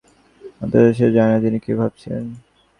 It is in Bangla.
অথচ সে জানে তিনি কি ভাবছেন।